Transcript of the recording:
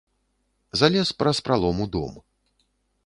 Залез праз пралом у дом.